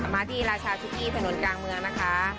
มาที่ราชาซุกี้ถนนกลางเมืองนะคะ